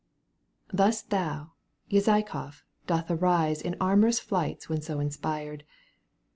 Thus thou, Yazykoff, dost arise ^ In amorous flights when so inspired.